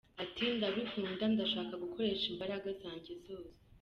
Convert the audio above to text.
Ati “ Ndabikunda ndashaka gukoresha imbaraga zanjye zose.